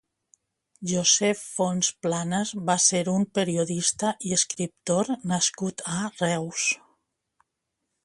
Josep Fonts Planàs va ser un periodista i escriptor nascut a Reus.